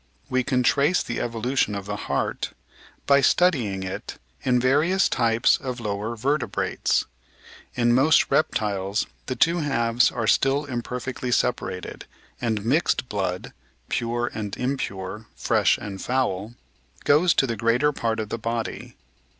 We can trace the evolution of the heart by studying it in various types of lower vertebrates. In most reptiles the two halves are still imperfectly separated, and "mixed" blood (pure and impure, fresh and foul) goes to the greater part of the body.